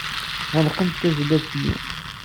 Ɣelqent tajellabt-nni.